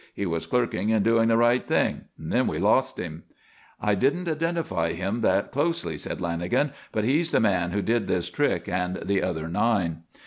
He was clerking and doing the right thing. Then we lost him." "I didn't identify him that closely," said Lanagan. "But he's the man who did this trick and the other nine."